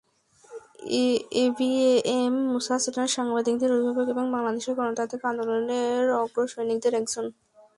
ABM Musa ছিলেন সাংবাদিকদের অভিভাবক এবং বাংলাদেশের গণতান্ত্রিক আন্দোলনের অগ্রসৈনিকদের একজন।